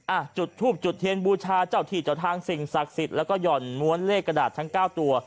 อ่ะจุดทูบจุดเทียนบูชาเจ้าที่เจ้าทางสิ่งศักดิ์สิทธิ์แล้วก็หย่อนม้วนเลขกระดาษทั้งเก้าตัว